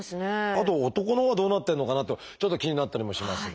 あと男のほうはどうなってるのかなとちょっと気になったりもしますが。